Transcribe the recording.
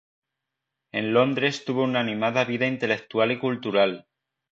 En Londres tuvo una animada vida intelectual y cultural.